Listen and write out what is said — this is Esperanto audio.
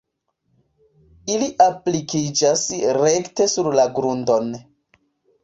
Ili aplikiĝas rekte sur la grundon.